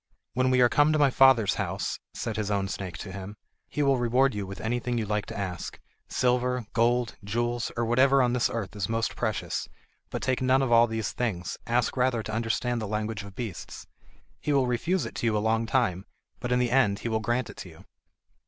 "When we are come to my father's house," said his own snake to him, "he will reward you with anything you like to ask—silver, gold, jewels, or whatever on this earth is most precious; but take none of all these things, ask rather to understand the language of beasts. He will refuse it to you a long time, but in the end he will grant it to you."